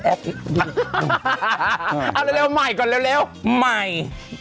เอาเร็วใหม่ก่อนเร็วใหม่